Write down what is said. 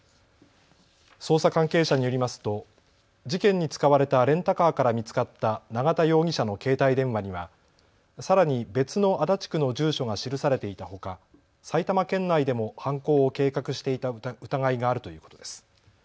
捜査関係者によりますと事件に使われたレンタカーから見つかった永田容疑者の携帯電話にはさらに別の足立区の住所が記されていたほか埼玉県内でも犯行を計画していた疑いがあるということです。